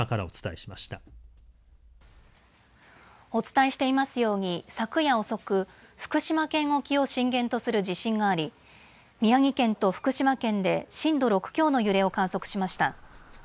お伝えしていますように昨夜遅く福島県沖を震源とする地震があり宮城県と福島県で震度６強の揺れを観測しました。